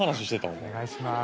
お願いします。